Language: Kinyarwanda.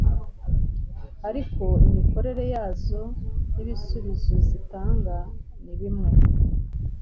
ariko imikorere yazo n’ibisubizo zitanga ni bimwe